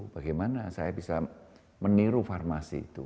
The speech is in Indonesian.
bagaimana saya bisa meniru farmasi itu